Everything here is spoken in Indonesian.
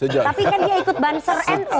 tapi kan dia ikut banser nu